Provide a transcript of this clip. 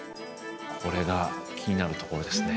これが気になるところですね。